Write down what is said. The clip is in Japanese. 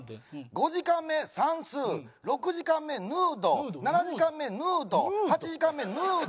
５時間目算数６時間目ヌード７時間目ヌード８時間目ヌード